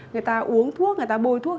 người ta uống thuốc người ta bôi thuốc